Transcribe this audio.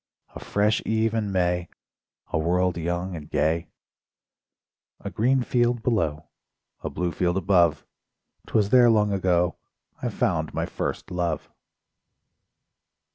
A fresh eve in May, A world young and gay, A green field below, A blue field above, 'Twas there long ago I found my first love!